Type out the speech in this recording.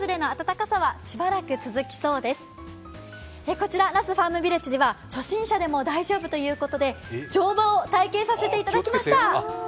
こちら那須ファームヴィレッジでは初心者でも大丈夫ということで乗馬を体験させていただきました。